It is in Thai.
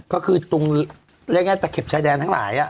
ก็คือตรงเรียกง่ายตะเข็บชายแดนทั้งหลาย